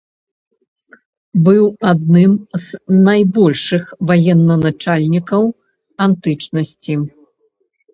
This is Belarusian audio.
Быў адным з найбольшых ваеначальнікаў антычнасці.